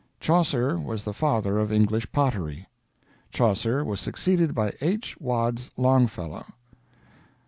"Chaucer was the father of English pottery. "Chaucer was succeeded by H. Wads. Longfellow."